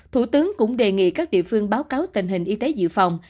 thủ tướng cũng đề nghị các địa phương báo cáo tình hình y tế dự phòng